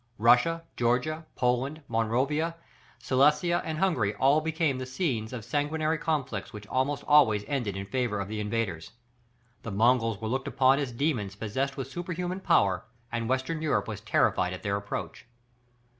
Russia, Georgia, Poland, Moravia, Silesia, and Hungary, all became the scenes of sanguinary conflicts which almost always ended in favour of the invaders. The Mongols were looked upon as demons possessed with superhuman power, and Western Europe was terrified at their approach.